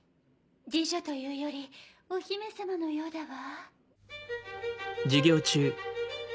侍女というよりお姫様のようだわ。